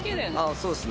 そうですね。